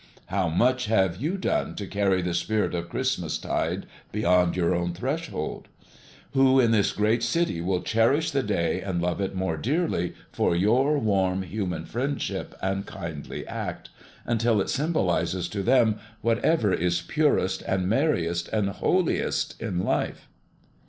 "How much have you done to carry the spirit of Christmastide beyond your own threshold? Who in this great city will cherish the day and love it more dearly for your warm human friendship and kindly act, until it symbolizes to them whatever is purest and merriest and holiest in life?"